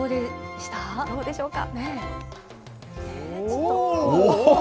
どうでしょうか？